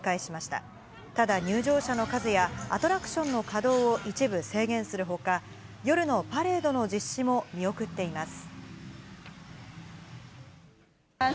ただ入場者の数や、アトラクションの稼働を一部制限するほか、夜のパレードの実施も見送っています。